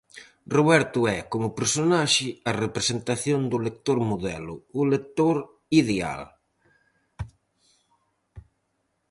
Roberto é, como personaxe, a representación do lector modelo, o lector ideal.